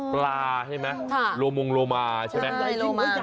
ปลาใช่ไหมโรมงโรมาใช่ไหม